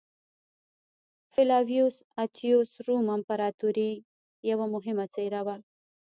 فلاویوس اتیوس روم امپراتورۍ یوه مهمه څېره وه